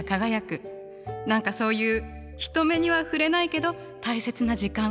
何かそういう人目には触れないけど大切な時間。